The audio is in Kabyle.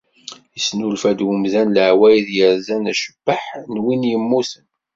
Yesnulfa-d umdan leɛwayed yerzan acebbaḥ n win yemmuten.